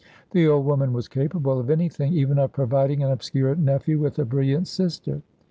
The old woman was capable of anything, even of providing an obscure nephew with a brilliant sister.